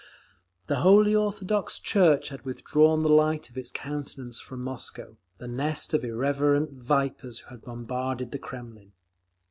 The Holy Orthodox Church had withdrawn the light of its countenance from Moscow, the nest of irreverent vipers who had bombarded the Kremlin.